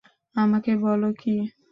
আমাকে বল কি?